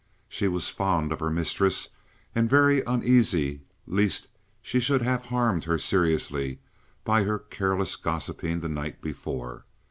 She was fond of her mistress, and very uneasy lest she should have harmed her seriously by her careless gossiping the night before.